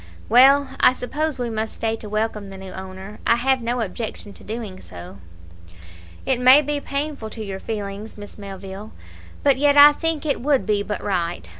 "Well, I suppose we must stay to welcome the new owner; I have no objection to doing so." "It may be painful to your feelings, Miss Melville, but yet I think it would be but right.